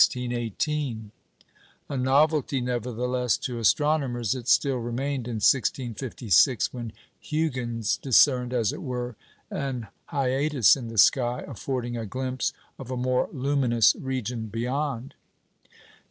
A novelty, nevertheless, to astronomers it still remained in 1656, when Huygens discerned, "as it were, an hiatus in the sky, affording a glimpse of a more luminous region beyond."